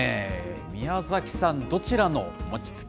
宮崎さん、どちらの餅つき？